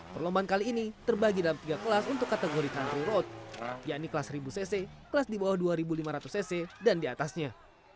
perlombaan kali ini terbagi dalam tiga kelas untuk kategori country road yakni kelas seribu cc kelas di bawah dua lima ratus cc dan diatasnya